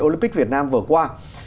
olympic việt nam vừa qua